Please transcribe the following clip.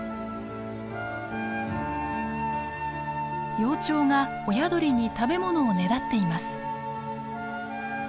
幼鳥が親鳥に食べ物をねだっています。